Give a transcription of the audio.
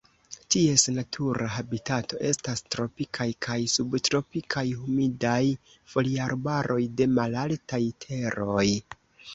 Ties natura habitato estas Tropikaj kaj subtropikaj humidaj foliarbaroj de malaltaj teroj.